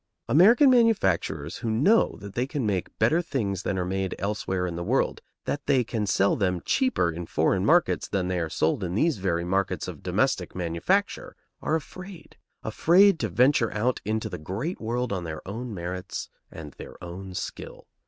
American manufacturers who know that they can make better things than are made elsewhere in the world, that they can sell them cheaper in foreign markets than they are sold in these very markets of domestic manufacture, are afraid, afraid to venture out into the great world on their own merits and their own skill.